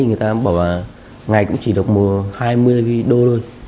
người ta bảo là ngày cũng chỉ được hai mươi đô thôi